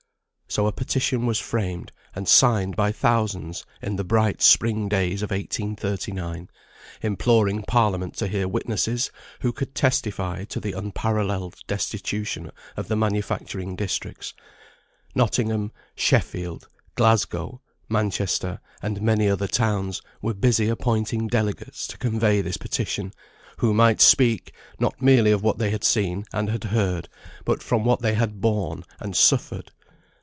So a petition was framed, and signed by thousands in the bright spring days of 1839, imploring Parliament to hear witnesses who could testify to the unparalleled destitution of the manufacturing districts. Nottingham, Sheffield, Glasgow, Manchester, and many other towns, were busy appointing delegates to convey this petition, who might speak, not merely of what they had seen, and had heard, but from what they had borne and suffered.